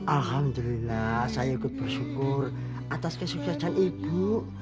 alhamdulillah saya ikut bersyukur atas kesuksesan ibu